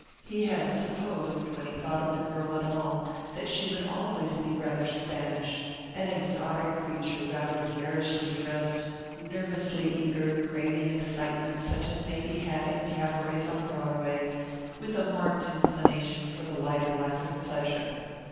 He had supposed, when he thought of the girl at all, that she would always be rather Spanish, an exotic creature rather garishly dressed, nervously eager, craving excitement such as may be had in cabarets on Broadway, with a marked inclination for the lighter life of pleasure.